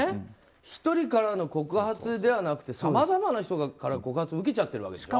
１人からの告発ではなくてさまざまな人から告発を受けちゃってるわけでしょ。